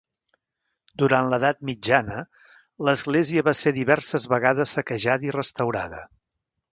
Durant l'edat mitjana, l'església va ser diverses vegades saquejada i restaurada.